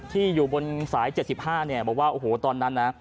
ที่อยู่บนสาย๗๕เนี่ยบอกว่าโอ้โหตอนนั้นนะ